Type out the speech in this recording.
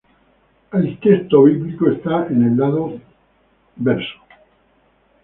El texto bíblico esta en el lado verso.